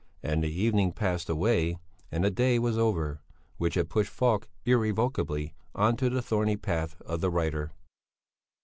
And the evening passed away and the day was over which had pushed Falk irrevocably on to the thorny path of the writer.